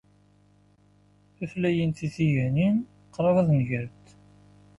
Tutlayin tidiganin qrib ad negrent.